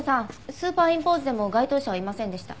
スーパーインポーズでも該当者はいませんでした。